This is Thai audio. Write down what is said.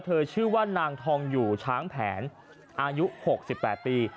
ชื่อว่านางทองอยู่ช้างแผนอายุ๖๘ปี